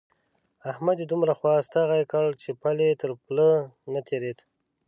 احمد يې دومره خوا ستغی کړ چې پل يې تر پله نه تېرېد.